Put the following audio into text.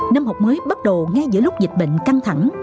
năm học mới bắt đầu ngay giữa lúc dịch bệnh căng thẳng